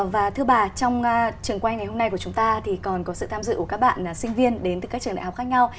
và thưa bà trong trường quay ngày hôm nay của chúng ta thì còn có sự tham dự của các bạn sinh viên đến từ các trường đại học khác nhau